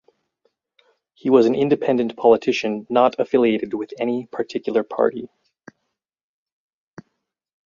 He was an independent politician not affiliated with any particular party.